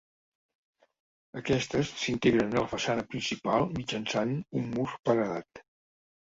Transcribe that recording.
Aquestes s'integren a la façana principal mitjançant un mur paredat.